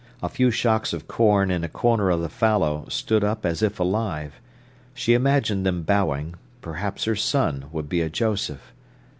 A few shocks of corn in a corner of the fallow stood up as if alive; she imagined them bowing; perhaps her son would be a Joseph.